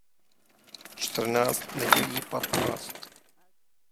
Čtrnáct nedělí patnáct.